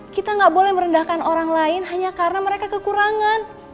kita nggak boleh merendahkan orang lain hanya karena mereka kekurangan